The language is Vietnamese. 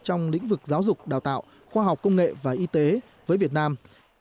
trong lĩnh vực giáo dục đào tạo khoa học công nghệ và y tế với việt nam